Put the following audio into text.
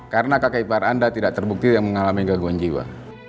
karena kakek ipar anda tidak terbukti yang mengalami gaguan jiwa